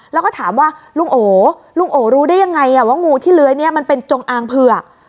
แล้วก็ถามว่าลุงโอลุงโอรู้ได้ยังไงว่างูที่เลื้อยเนี่ยมันเป็นจงอางเผือก